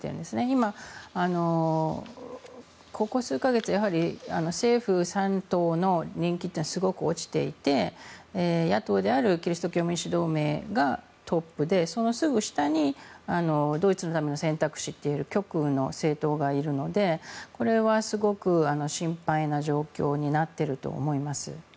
今、ここ数か月政府３党の人気っていうのはすごく落ちていて野党であるキリスト教民主同盟がトップでそのすぐ下にドイツのための選択肢という極右の政党がいるのでこれはすごく、心配な状況になっていると思います。